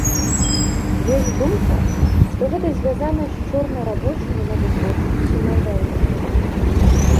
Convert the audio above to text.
Ёсць думка, што гэта звязана з чорнарабочымі на вытворчасці мазаікі.